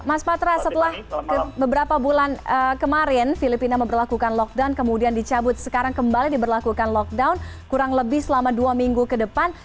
mas patra setelah beberapa bulan kemarin filipina memperlakukan lockdown kemudian dicabut sekarang kembali diberlakukan lockdown kurang lebih selama dua minggu ke depan